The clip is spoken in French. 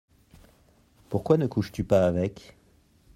Pourquoi ne couches-tu pas avec ?